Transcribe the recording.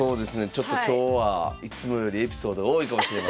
ちょっと今日はいつもよりエピソードが多いかもしれません。